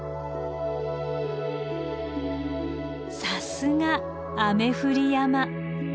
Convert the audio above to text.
さすが雨降り山。